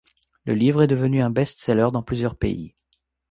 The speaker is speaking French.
Le livre est devenu un best-seller dans plusieurs pays.